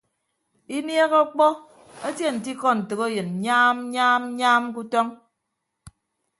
Inieehe ọkpọ etie nte ikọ ntәkeyịn nyaam nyaam nyaam ke utọñ.